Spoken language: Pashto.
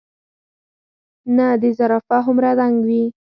نۀ د زرافه هومره دنګ وي ،